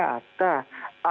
mereka itu butuh kerja nyata